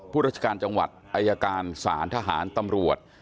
ราชการจังหวัดอายการศาลทหารตำรวจ